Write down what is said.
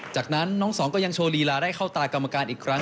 จากนั้นน้องสองก็ยังโชว์ลีลาได้เข้าตากรรมการอีกครั้ง